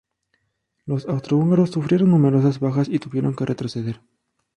Los austrohúngaros sufrieron numerosas bajas y tuvieron que retroceder.